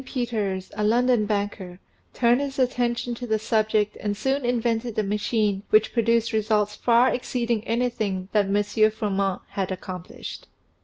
Peters, a London banker, turned his attention to the subject and soon invented a machine which produced results far exceeding anything that M. Froment had accomplished.